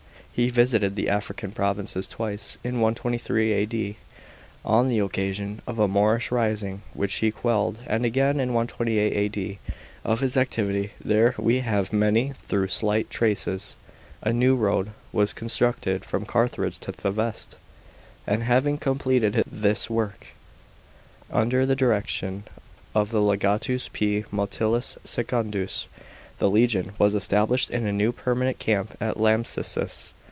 He visittd the African provinces twice, in 123 A.D. on the occasion of a Moorish rising, which he quelled, and again in 128 A.D. Of his activity there we have many, though slight, traces. A new road was constructed from Carthage to Theveste ; and having completed this work, under the direction of the legatus, P. Metilius Secundus, the legion was established in a new per manent camp at Lambsesis.